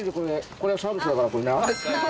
これサービスだからこれな。